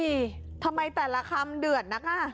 โอ้โหทำไมแต่ละคำเดือดนะคะ